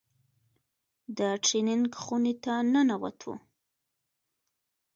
د ټرېننگ خونې ته ننوتو.